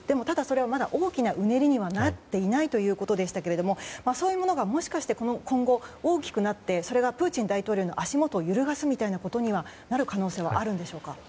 ただ、それはまだ大きなうねりにはなっていないということでしたけどそういうものがもしかして今後、大きくなってそれがプーチン大統領の足元を揺るがすことになる可能性はあるんでしょうか。